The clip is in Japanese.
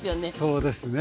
そうですね。